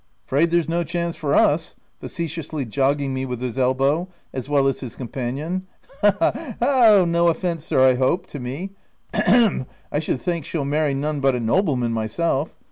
— c fraid there's no chance for uz' — (facetiously jogging me with his elbow, as well as his companion) —ha, ha, ha ! No offence, sir, I hope?" (to me) "Ahem !— I should think she'll marry none but a noble man, myself.